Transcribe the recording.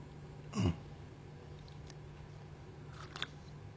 うん。